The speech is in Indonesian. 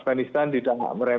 dan itu yang kita juga sadarkan